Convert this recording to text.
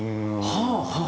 はあはあ。